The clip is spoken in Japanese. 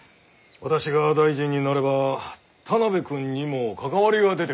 私が大臣になれば田邊君にも関わりが出てくる。